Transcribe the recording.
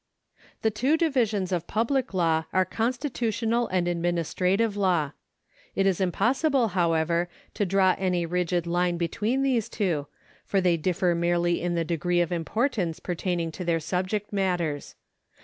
The two divisions of public law are constitutional and administrative law. It is impossible, however, to draw any rigid line between these two, for they differ merely in the degree of importance pertaining to their subject matters.